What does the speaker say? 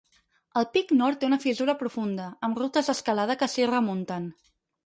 El pic nord té una fissura profunda, amb rutes d'escalada que s'hi remunten.